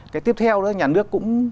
cái tiếp theo đó nhà nước cũng